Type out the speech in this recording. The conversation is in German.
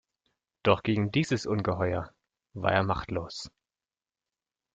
Doch gegen dieses Ungeheuer war er machtlos.